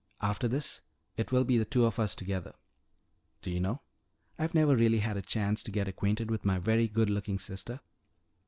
After this it will be the two of us together. Do you know, I've never really had a chance to get acquainted with my very good looking sister."